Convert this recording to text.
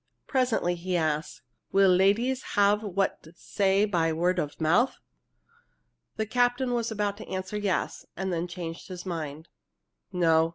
Presently he asked: "Will ladies have what say by word of mouth?" The captain was about to answer yes, and then changed his mind: "No.